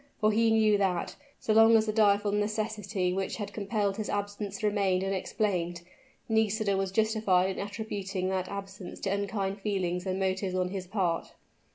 for he knew that, so long as the direful necessity which had compelled his absence remained unexplained, Nisida was justified in attributing that absence to unkind feelings and motives on his part.